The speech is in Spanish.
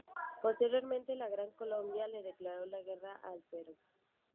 Posteriormente, la Gran Colombia le declaró la guerra al Perú.